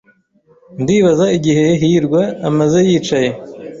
Ndibaza igihe hirwa amaze yicaye.